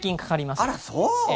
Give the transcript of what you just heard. あら、そう。